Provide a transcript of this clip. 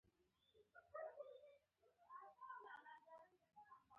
دریشي د انټرویو لپاره غوره ده.